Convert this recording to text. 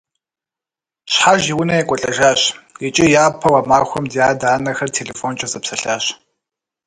Щхьэж и унэ екӀуэлӀэжащ, икӀи япэу а махуэм ди адэ-анэхэр телефонкӀэ зэпсэлъащ.